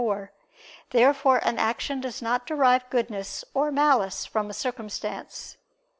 Therefore an action does not derive goodness or malice from a circumstance.